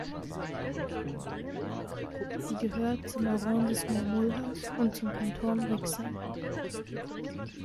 Sie gehört zum Arrondissement Mulhouse und zum Kanton Rixheim.